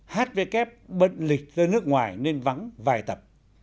hvk bận lịch ra nước ngoài nên vắng vài tập